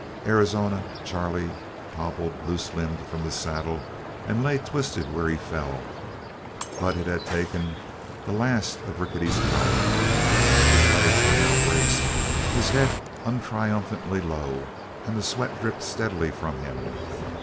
Arizona Charley toppled loose limbed from the saddle and lay twisted where he fell, but it had taken the last of Rickety's power. His legs were now braced, his head untriumphantly low, and the sweat dripped steadily from him.